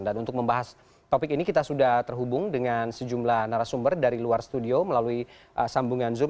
dan untuk membahas topik ini kita sudah terhubung dengan sejumlah narasumber dari luar studio melalui sambungan zoom